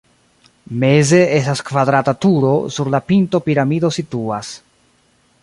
Meze estas kvadrata turo, sur la pinto piramido situas.